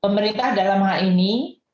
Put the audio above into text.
pemerintah dalam hal ini